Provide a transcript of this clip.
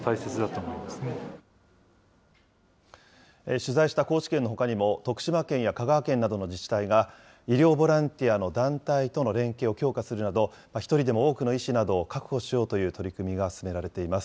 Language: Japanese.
取材した高知県のほかにも、徳島県や香川県などの自治体が、医療ボランティアの団体との連携を強化するなど、一人でも多くの医師などを確保しようという取り組みが進められています。